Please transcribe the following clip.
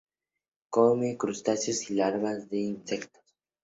Come crustáceos y larvas de insectos.